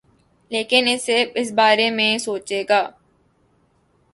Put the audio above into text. لیکن اس بارے میں سوچے گا۔